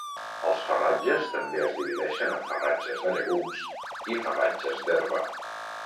Els farratges també es divideixen en farratges de llegums i farratges d'herba.